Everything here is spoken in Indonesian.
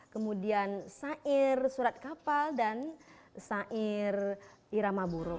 kemudian syair surat kapal dan syair irama burung